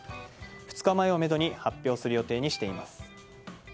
２日前をめどに発表する予定にしています。